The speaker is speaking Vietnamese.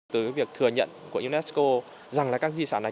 từ việc thừa nhận của unesco rằng là các di sản này